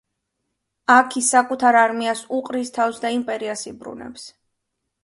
აქ ის საკუთარ არმიას უყრის თავს და იმპერიას იბრუნებს.